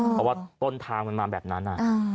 เพราะว่าต้นทางมันมาแบบนั้น